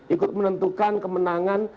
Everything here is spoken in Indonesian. ikut menentukan kemenangan